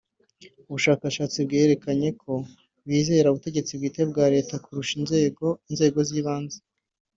ubushakashatsi bwerekanye ko bizera ubutegetsi bwite bwa Leta kuruta inzego inzego z’ibanze